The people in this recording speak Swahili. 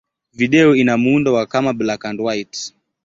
Video ina muundo wa kama black-and-white.